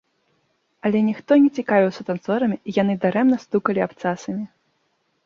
Але ніхто не цікавіўся танцорамі, і яны дарэмна стукалі абцасамі.